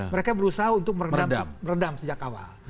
mereka berusaha untuk meredam sejak awal